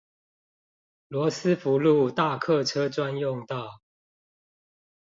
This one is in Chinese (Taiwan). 羅斯福路大客車專用道